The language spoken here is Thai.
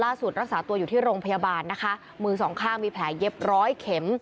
รักษาตัวอยู่ที่โรงพยาบาลนะคะมือสองข้างมีแผลเย็บร้อยเข็ม